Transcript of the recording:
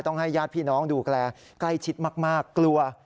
ให้ญาติพี่น้องดูแลใกล้ชิดมากกลัว